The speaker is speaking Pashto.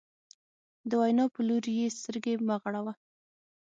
د وینا په لوري یې سترګې مه غړوه.